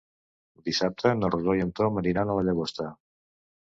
Dissabte na Rosó i en Tom aniran a la Llagosta.